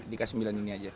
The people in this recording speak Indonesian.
di k sembilan ini aja